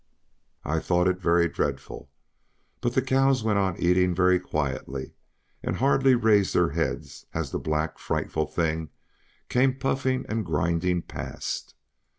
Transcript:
I thought it very dreadful, but the cows went on eating very quietly, and hardly raised their heads as the black, frightful thing came puffing and grinding past.